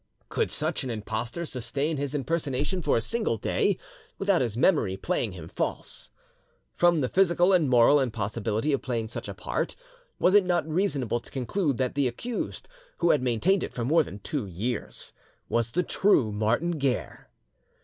Could such an impostor sustain his impersonation for a single day, without his memory playing him false? From the physical and moral impossibility of playing such a part, was it not reasonable to conclude that the accused, who had maintained it for more than two years, was the true Martin Guerre?